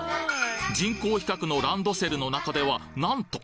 人工皮革のランドセルの中ではなんと！